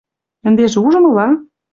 Ӹндежӹ ужмыла?